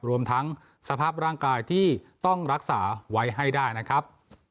รวมทั้งสภาพร่างกายที่ต้องรักษาไว้ให้ได้นะครับ